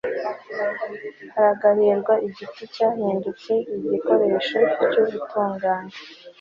haragahirwa igiti cyahindutse igikoresho cy'ubutungane